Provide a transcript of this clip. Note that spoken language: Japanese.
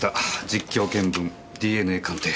実況検分ＤＮＡ鑑定。